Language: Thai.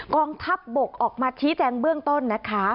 กองทัพบกออกมาชี้แจงเบื้องต้นนะคะ